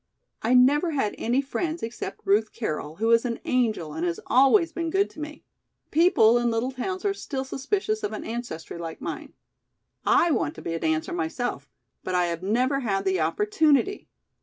"I never had any friends except Ruth Carroll, who is an angel and has always been good to me. People in little towns are still suspicious of an ancestry like mine. I want to be a dancer myself, but I have never had the opportunity.